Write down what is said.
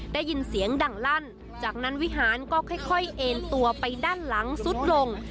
ได้ยินเสียงดังลั่นจากนั้นวิหารก็ค่อยเอ็นตัวไปด้านหลังสุดลง